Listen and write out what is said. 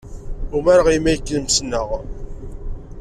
Umareɣ imi ay kem-ssneɣ.